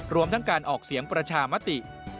รวมทั้งการออกเสียงประชามติ